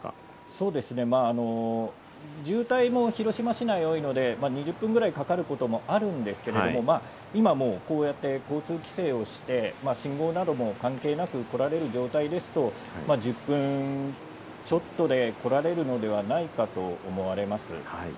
そうですね、渋滞も広島市内は多いので、２０分ぐらいかかることもあるんですけれども、今もうこうやって交通規制をして信号なども関係なく来られる状態ですと、１０分ちょっとで来られるのではないかと思われます。